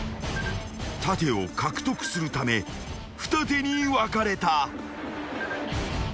［盾を獲得するため二手に分かれた］